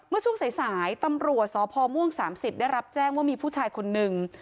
เมื่อช่วงสายสายตำรวจสพม่วงสามสิบได้รับแจ้งว่ามีผู้ชายคนนึง